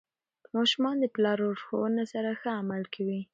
ماشومان د پلار لارښوونو سره ښه عمل کوي.